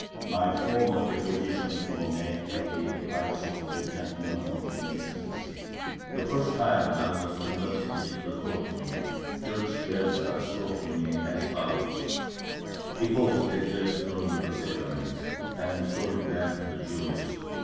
My former depositions were made at the advice of the gentlemen of the magistracy. The first time I was conducted into the court room Judge Belza spoke to me as follows: "Depose that you have stolen the sacraments and sold them to the Jews.